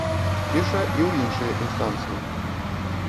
Піша і ў іншыя інстанцыі.